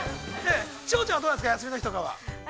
千穂ちゃんはどうなんですか、休みの日とかは。